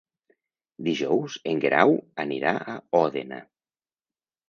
Dijous en Guerau anirà a Òdena.